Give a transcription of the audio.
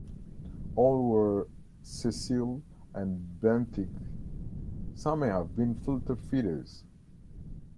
All were sessile and benthic; some may have been filter feeders.